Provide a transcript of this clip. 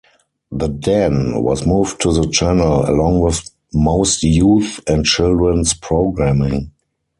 "The Den" was moved to the channel, along with most youth and children's programming.